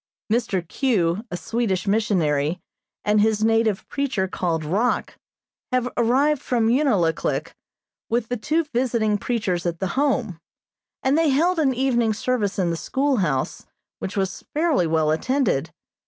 Mr. Q., a Swedish missionary, and his native preacher called Rock, have arrived from Unalaklik, with the two visiting preachers at the Home, and they held an evening service in the schoolhouse, which was fairly well attended.